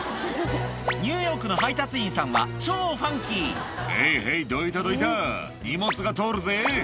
ニューヨークの配達員さんは超ファンキー「ヘイヘイどいたどいた荷物が通るぜ」